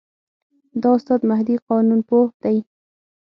دا استاد مهدي قانونپوه دی.